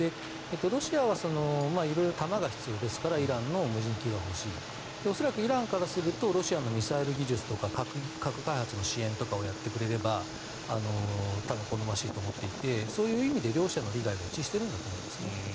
ロシアは色々弾が必要ですからイランの無人機が欲しい恐らくイランからするとロシアのミサイル技術とか核開発の支援とかをやってくれれば好ましいと思っていてそういう意味で両者の利害が一致しているんだと思います。